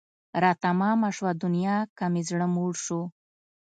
را تمامه شوه دنیا که مې زړه موړ شو